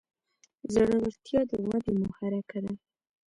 زړورتیا د ودې محرکه ده.